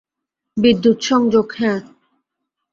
বিদ্যুৎ সংযোগ, হ্যা।